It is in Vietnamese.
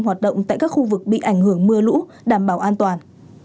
hoạt động tại các khu vực bị ảnh hưởng mưa lũ đảm bảo an toàn